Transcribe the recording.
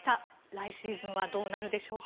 来シーズンはどうなるでしょうか。